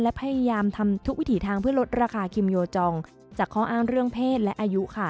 และพยายามทำทุกวิถีทางเพื่อลดราคาคิมโยจองจากข้ออ้างเรื่องเพศและอายุค่ะ